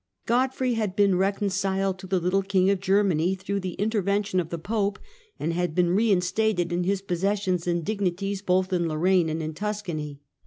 Godfrey liad been recon ciled to the little king of Germany through the interven tion of the Pope, and had been reinstated in his posses sions and dignities both in Lorraine and in Tuscany.